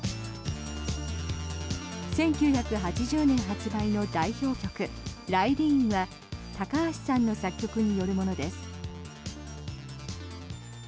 １９８０年発売の代表曲「ＲＹＤＥＥＮ」は高橋さんの作曲によるものです。